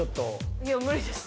いや無理です。